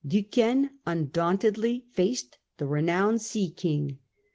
Duquesne undauntedly faced the renowned sea king.